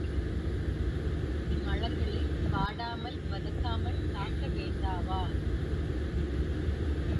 இம்மலர்களை வாடாமல் வதங்காமல் காக்க வேண்டாவா?